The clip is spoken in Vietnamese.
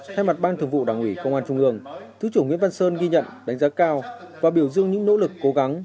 thay mặt ban thường vụ đảng ủy công an trung ương thứ trưởng nguyễn văn sơn ghi nhận đánh giá cao và biểu dương những nỗ lực cố gắng